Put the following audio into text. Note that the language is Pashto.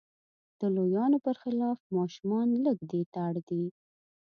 د لویانو پر خلاف ماشومان لږ دې ته اړ دي.